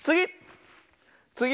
つぎ！